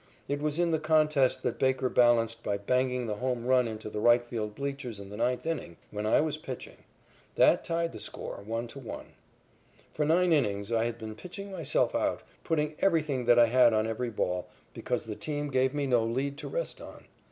It was in the contest that Baker balanced by banging the home run into the right field bleachers in the ninth inning, when I was pitching. That tied the score, 1 to 1. For nine innings I had been pitching myself out, putting everything that I had on every ball, because the team gave me no lead to rest on.